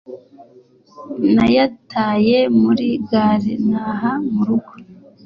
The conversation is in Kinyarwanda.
nayataye muri gare ntaha murugo